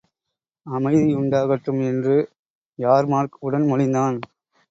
அமைதியுண்டாகட்டும்! என்று யார்மார்க் உடன் மொழிந்தான்.